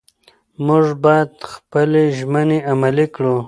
موږ باید خپلې ژمنې عملي کړو